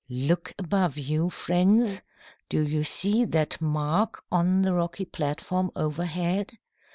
"Look above you, friends. Do you see that mark on the rocky platform overhead?